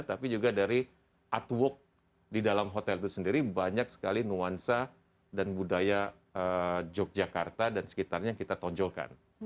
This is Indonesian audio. tapi juga dari atwork di dalam hotel itu sendiri banyak sekali nuansa dan budaya yogyakarta dan sekitarnya kita tonjolkan